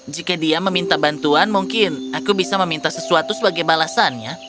jika dia meminta bantuan mungkin aku bisa meminta sesuatu sebagai balasannya